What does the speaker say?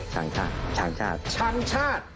ต่างชาติช้างชาติช้างชาติ